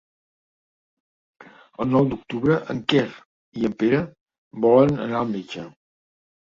El nou d'octubre en Quer i en Pere volen anar al metge.